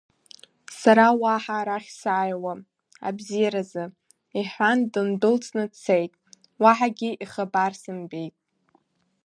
Сара уаҳа арахь сааиуам, абзиаразы, — иҳәан дындәылҵны дцеит, уаҳагьы ихабар сымбеит.